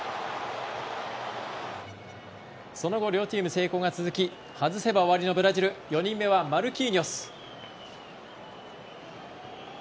その後、両チーム成功が続き外せば終わりのブラジル４人目はマルキーニョス。